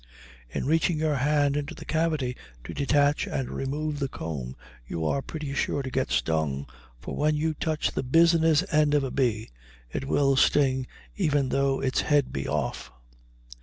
In reaching your hand into the cavity to detach and remove the comb you are pretty sure to get stung, for when you touch the "business end" of a bee, it will sting even though its head be off.